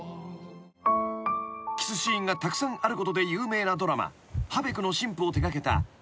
［キスシーンがたくさんあることで有名なドラマ『ハベクの新婦』を手掛けた］